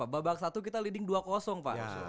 babak satu kita leading dua pak